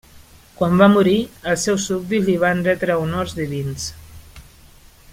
Quan va morir, els seus súbdits li van retre honors divins.